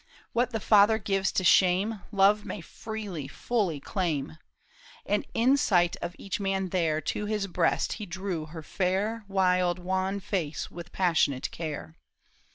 " What the father gives to shame. Love may freely, fully clajm ;" And in sight of each man there To his breast he drew her fair. Wild, wan face with passionate care.